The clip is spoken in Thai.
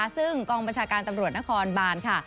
ซึ่งกองบัญชาการตำรวจนครบานค่ะ